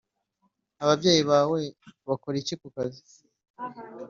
ababyeyi bawe bakora iki kukazi?